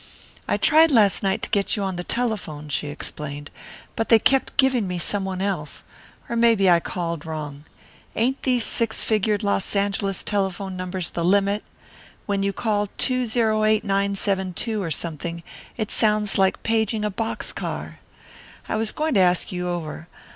"I tried last night to get you on the telephone," she explained, "but they kept giving me someone else, or maybe I called wrong. Ain't these six figured Los Angeles telephone numbers the limit? When you call 208972 or something, it sounds like paging a box car. I was going to ask you over.